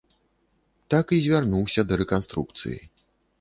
Так і звярнуўся да рэканструкцыі.